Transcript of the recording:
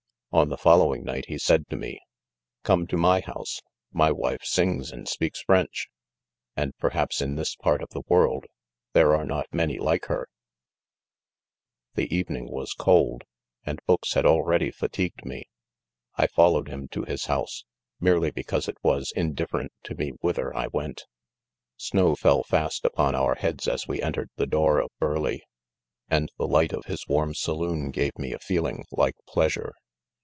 On the following night he said to me, " come to my house ; my wife sings and speaks French ; and 5 perhaps in this part of the world, there are not THE PIEESIDE. 13 many like hey, ?J The evening was cold; end hooks had already fatigued me ; I followed bin to his house, merely because it was indifferent: to me whither I went. Sno¥/ fell fast upon our heads as we entered the door of Burleigh, and the light of his warm saloon gave me a feeling like pleasure.